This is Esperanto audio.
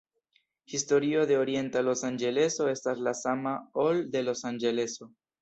Historio de Orienta Losanĝeleso estas la sama, ol de Los Anĝeleso.